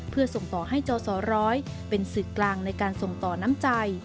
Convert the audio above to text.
เพื่อส่งต่อให้จศร้อยเป็นศึกกลางในการส่งต่อน้ำใจ